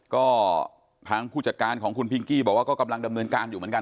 ก็ทางผู้จัดการของคุณพิงกี้บอกว่าก็กำลังดำเนินการอยู่เหมือนกัน